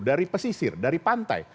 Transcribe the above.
dari pesisir dari pantai